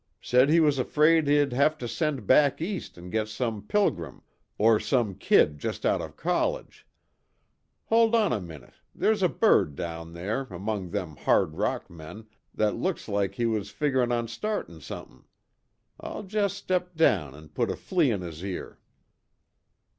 Said he was afraid he'd have to send back East an' get some pilgrim or some kid just out of college. Hold on a minute there's a bird down there, among them hard rock men, that looks like he was figgerin' on startin' somethin'. I'll just step down an' put a flea in his ear."